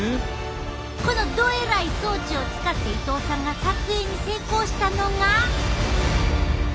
このどえらい装置を使って伊藤さんが撮影に成功したのが。